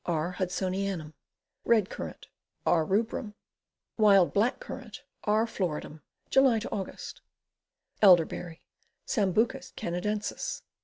R. Hudsonianum. Red Currant. R. rubrum. Wild Black Currant. R. floridum. July Aug. Elderberry. Sambucus Canadensis.